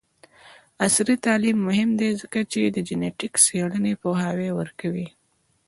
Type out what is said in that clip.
عصري تعلیم مهم دی ځکه چې د جینیټک څیړنې پوهاوی ورکوي.